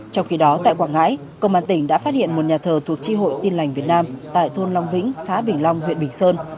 trong khi đó tại quảng ngãi công an tỉnh đã phát hiện một nhà thờ thuộc tri hội tin lành việt nam tại thôn long vĩnh xã bình long huyện bình sơn